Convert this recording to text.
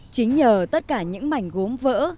chính nhờ tất cả những mảnh gốm vỡ